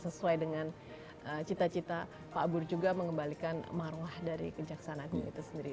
sesuai dengan cita cita pak bur juga mengembalikan marwah dari kejaksaan agung itu sendiri